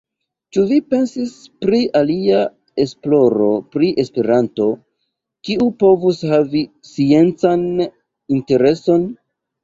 Ĉu vi pensis pri alia esploro pri Esperanto, kiu povus havi sciencan intereson?